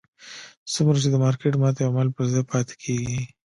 څومره چې د مارکېټ ماتې عوامل پر ځای پاتې کېږي.